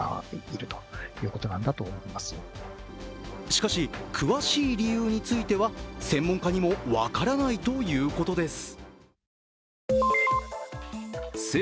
しかし詳しい理由については専門家にも分からないということです。